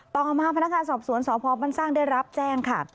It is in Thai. ต่อมาพนักงานสอบสวนสพบ้านสร้างได้รับแจ้งค่ะ